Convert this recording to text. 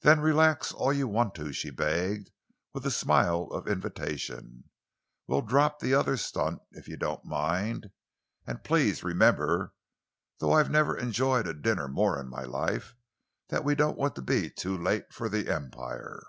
"Then relax all you want to," she begged, with a smile of invitation. "We'll drop the other stunt, if you don't mind. And please remember, though I've never enjoyed a dinner more in my life, that we don't want to be too late for the Empire."